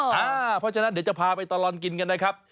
เพราะฉะนั้นเดี๋ยวจะพาไปตลอดกินกันนะครับ